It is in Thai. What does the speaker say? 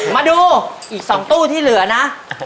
มาดูอีก๒ตู้ที่เหลือนะ